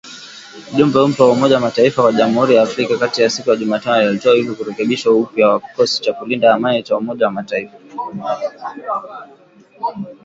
Mjumbe mpya wa Umoja wa mataifa kwa Jamhuri ya Afrika ya kati siku ya Jumatano alitoa wito kurekebishwa upya kwa kikosi cha kulinda amani cha Umoja wa Mataifa.